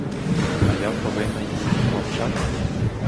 А я повинна їй змовчати?